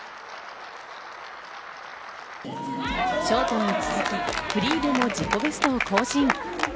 ショートに続きフリーでも自己ベストを更新。